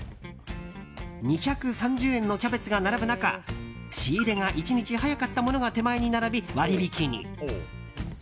２３０円のキャベツが並ぶ中仕入れが１日早かったものが手前に並び、割引に。